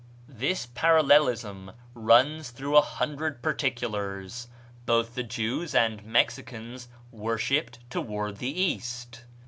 This parallelism runs through a hundred particulars: Both the Jews and Mexicans worshipped toward the east.